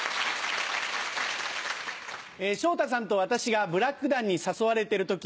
昇太さんと私がブラック団に誘われてる時